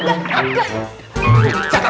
ibu yang berbahaya